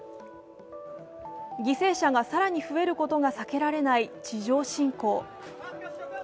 犠牲者が更に増えることが避けられない地上侵攻。